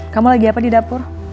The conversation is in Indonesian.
kamu lagi apa di dapur